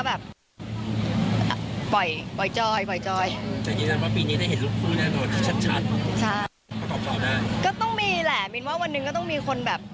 ก็ต้องมีแหละมินว่าวันหนึ่งก็ต้องมีคนแบบ